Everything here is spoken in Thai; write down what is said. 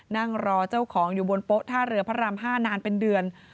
นั่งรอเจ้าของอยู่บนโป๊ะท่าเรือพระราม๕นานเป็นเดือน